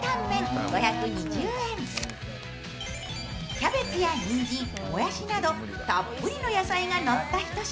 キャベツやにんじん、もやしなどたっぷりの野菜がのった一品。